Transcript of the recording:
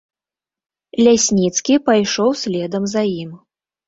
Лясніцкі пайшоў следам за ім.